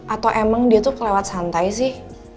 atau emang dia tuh kelewat santai sih